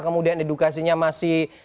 kemudian edukasinya masih